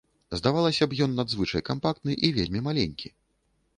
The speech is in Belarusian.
Здавалася б, ён надзвычай кампактны і вельмі маленькі.